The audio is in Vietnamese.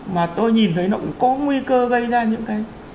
mà tôi nhìn thấy nó cũng có nguy cơ gây ra những cái